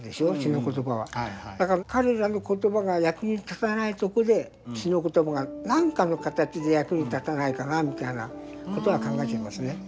だから彼らの言葉が役に立たないところで詩の言葉が何かの形で役に立たないかなみたいな事は考えていますね。